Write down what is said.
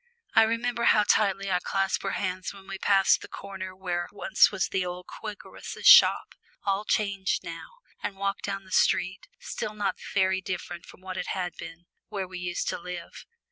I remember how tightly I clasped her hand when we passed the corner where once was the old Quakeress's shop all changed now and walked down the street, still not very different from what it had been, where we used to live.